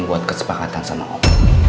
buat kesepakatan sama om